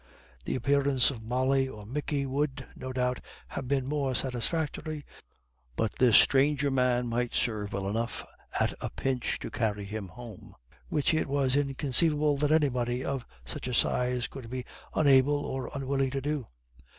The appearance of Molly or Micky would, no doubt, have been more satisfactory, but this stranger man might serve well enough at a pinch to carry him home, which it was inconceivable that anybody of such a size could be unable or unwilling to do.